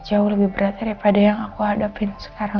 jauh lebih berat daripada yang aku hadapin sekarang